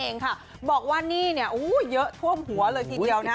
เงี้ยงพรุงหัว๑๐ล้าน